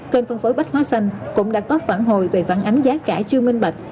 kênh phân phối bách hóa xanh cũng đã có phản hồi về phản ánh giá cả chưa minh bạch